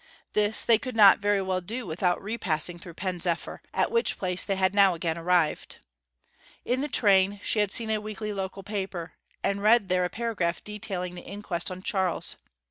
This they could not very well do without repassing through Pen zephyr, at which place they had now again arrived. In the train she had seen a weekly local paper, and read there a paragraph detailing the inquest on Charles.